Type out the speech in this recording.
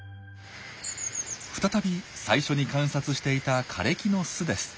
再び最初に観察していた枯れ木の巣です。